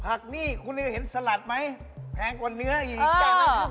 หนี้คุณนิวเห็นสลัดไหมแพงกว่าเนื้ออีก